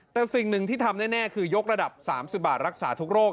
แต่สิ่งหนึ่งที่ทำแน่คือยกระดับ๓๐บาทรักษาทุกโรค